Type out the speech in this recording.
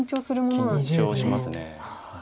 緊張します。